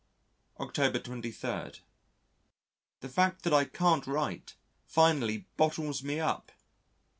October 23. The fact that I can't write, finally bottles me up.